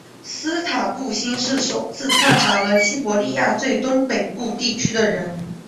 斯塔杜欣是首次探查了西伯利亚最东北部地区的人。